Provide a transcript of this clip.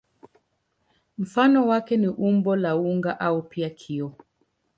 Mfano wake ni umbo la unga au pia kioo.